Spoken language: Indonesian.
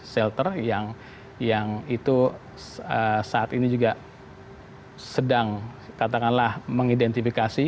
shelter yang itu saat ini juga sedang katakanlah mengidentifikasi